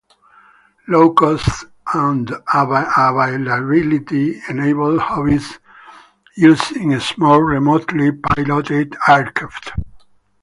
Low cost and availability enable hobbyist use in small remotely piloted aircraft.